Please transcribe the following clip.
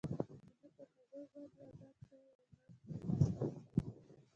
چې نه پر هغوى باندې غضب شوى او نه ګمراهان دی.